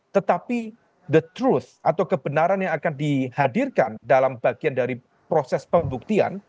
tetapi the trust atau kebenaran yang akan dihadirkan dalam bagian dari proses pembuktian